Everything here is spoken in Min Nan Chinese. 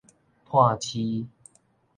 炭疽